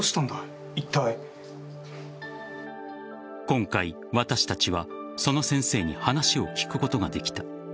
今回、私たちはその先生に話を聞くことができた。